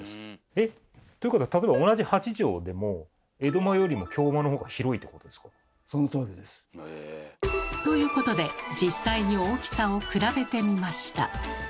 え？ということは例えば同じ８畳でも江戸間よりも京間のほうが広いってことですか？ということで実際に大きさを比べてみました。